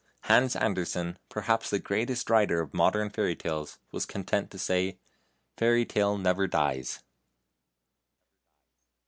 Hans Anderssen, perhaps the greatest writer of modern fairy tales, was content to say: "FAIRY TALE NEVER DIES."